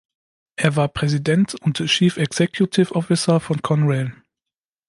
Er war Präsident und Chief Executive Officer von Conrail.